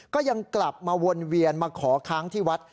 ก็ยังกลับมาวนเวียนมาขอค้างที่วัด